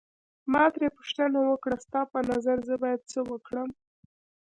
ما ترې پوښتنه وکړه ستا په نظر زه باید څه وکړم.